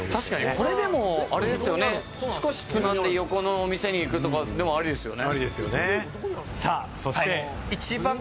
これでも少しつまんで横のお店に行くとかでも、ありですよね。